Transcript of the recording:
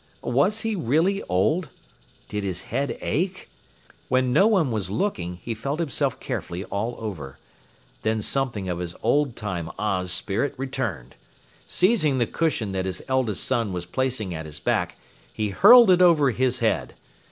Was he really old? Did his head ache? When no one was looking, he felt himself carefully all over. Then something of his old time Oz spirit returned. Seizing the cushion that his eldest son was placing at his back, he hurled it over his head.